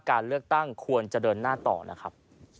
การเลือกตั้งควรจะเดินหน้าต่อนะครับ